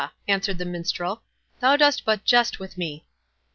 answered the Minstrel; "thou dost but jest with me!"